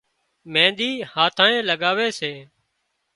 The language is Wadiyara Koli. مينۮِي هاٿانئي لڳاوي سي